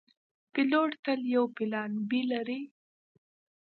پیلوټ تل یو پلان “B” لري.